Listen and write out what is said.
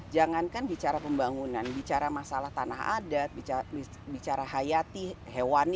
jangan kan bicara pembangunan bicara masalah tanah adat bicara hayati hewan